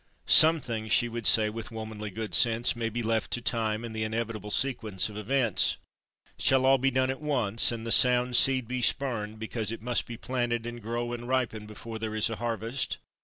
Something, she would say with womanly good sense, may be left to time and the inevitable sequence of events. Shall all be done at once, and the sound seed be spurned because it must be planted and grow and ripen before there is a harvest?